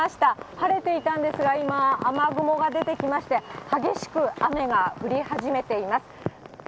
晴れていたんですが、今、雨雲が出てきまして、激しく雨が降り始めています。